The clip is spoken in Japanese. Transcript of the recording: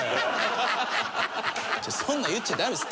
そんなん言っちゃダメです。